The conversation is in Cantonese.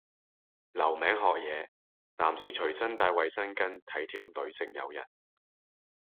留名學嘢，男士隨身帶衛生巾體貼女性友人